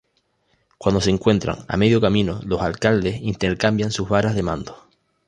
Cuando se encuentran, a medio camino, los alcaldes intercambian sus varas de mando.